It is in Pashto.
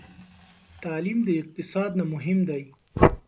تعلیم د اقتصاد نه مهم دی.